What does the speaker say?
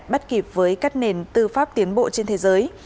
bắt kịp với các nền tư pháp tiến bộ trên thế giới